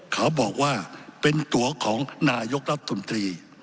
เขาบอกว่าเป็นตัวของนายกรัฐมนตรี